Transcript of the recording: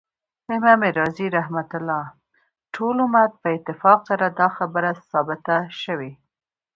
امام رازی رحمه الله : ټول امت په اتفاق سره دا خبره ثابته سوی